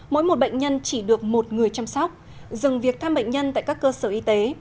mỗi một bệnh nhân chỉ được một người chăm sóc dừng việc thăm bệnh nhân tại các cơ sở y tế